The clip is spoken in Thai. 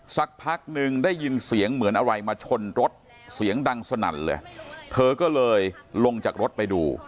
สักพักนึงได้ยินเสียงเหมือนอะไรมาชนรถเสียงดังสนั่นเลยเธอก็เลยลงจากรถไปดู